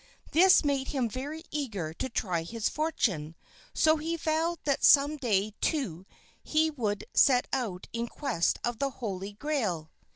This made him very eager to try his fortune; so he vowed that some day he too would set out in quest of the Holy Grail.